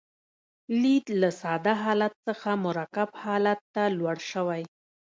لید له ساده حالت څخه مرکب حالت ته لوړ شوی.